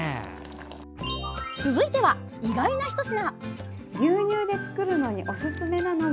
続いては、意外なひと品。